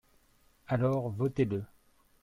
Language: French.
Alors votez-le